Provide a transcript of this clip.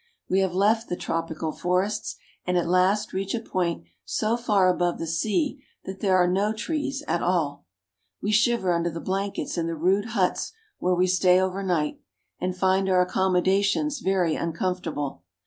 We have left the tropical forests, and at last reach a point so far above the sea that there are no trees at all. We shiver under the blankets in the rude huts where we stay overnight, and find our accommodations very un comfortable.